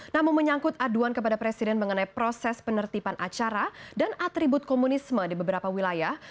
namun menyangkut aduan kepada presiden mengenai proses penertiban acara dan atribut komunisme di beberapa wilayah